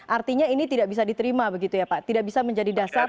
artinya ini tidak bisa diterima begitu ya pak tidak bisa menjadi dasar